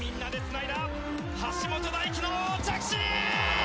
橋本大輝の着地！